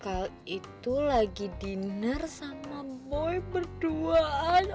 hal itu lagi diner sama boy berduaan